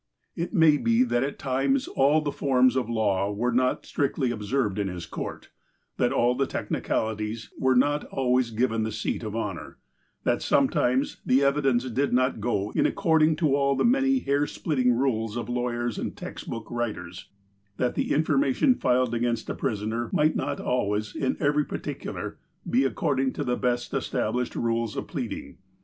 It may be that at times all the forms of law were not strictly observed in his court ; that all the technicalities were not always given the seat of honour ; that sometimes the evidence did not go in according to all the many hair splitting rules of lawyers and text book writers ; that the information filed against a prisoner might not always, in every particular, be according to the best established rules of pleading.